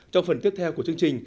trong phần tiếp theo của chương trình